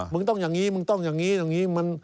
มึงต้องอย่างนี้มึงต้องอย่างนี้